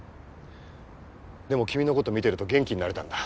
でも君のこと見てると元気になれたんだ。